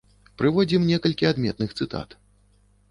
Прыводзім некалькі адметных цытат.